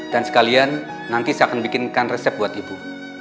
dan sekalian nanti saya akan bikinkan resep buat ibu